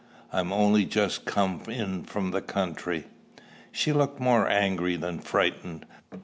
I'm only just come in from the country." She looked more angry than frightened.